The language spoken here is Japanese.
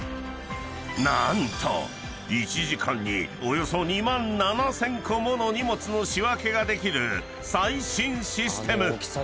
［何と１時間におよそ２万７，０００個もの荷物の仕分けができる最新システム］